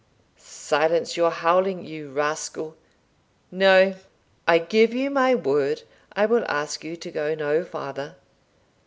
"Silence your howling, you rascal No; I give you my word I will ask you to go no farther.